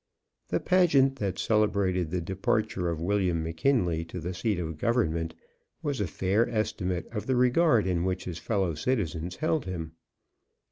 The pageant that celebrated the departure of William McKinley to the seat of Government was a fair estimate of the regard in which his fellow citizens held him.